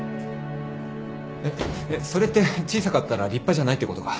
えっえっそれって小さかったら立派じゃないってことか？